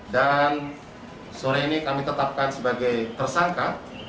dan sore ini kami tetapkan sebagai tersangka